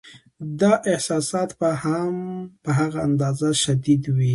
دا احساسات به هم په هغه اندازه شدید وي.